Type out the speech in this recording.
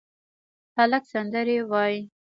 هلک سندرې وايي